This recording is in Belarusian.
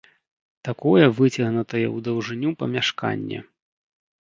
Такое выцягнутае ў даўжыню памяшканне.